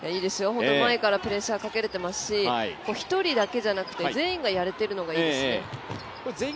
前からプレッシャーをかけれていますし１人だけじゃなくて全員がやれているのがいいですね。